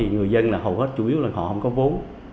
người dân là hầu hết chủ yếu là họ không có vốn